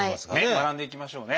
学んでいきましょうね。